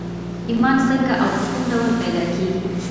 ايمان څنګه او په کوم ډول پيدا کېږي؟